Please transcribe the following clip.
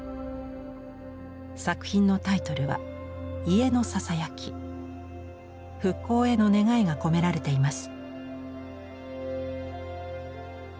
作品のタイトルは復興への願いが込められています。